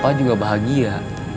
bapak juga bahagia